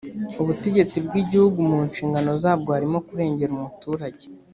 ubutegetsi bw ‘Igihugu mu nshingano zabwo harimo kurengera umuturage.